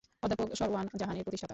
অধ্যাপক সরওয়ার জাহান এর প্রতিষ্ঠাতা।